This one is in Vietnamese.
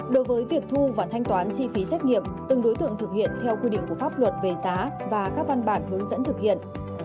đối với việc thu và thanh toán chi phí xét nghiệm từng đối tượng thực hiện theo quy định của pháp luật về giá và các văn bản hướng dẫn thực hiện